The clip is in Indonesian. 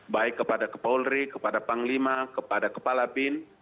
baik kepada kapolri kepada panglima kepada kepala bin